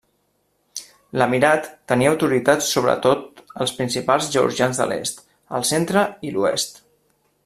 L'emirat tenia autoritat sobretot els principats georgians de l'est, el centre i l'oest.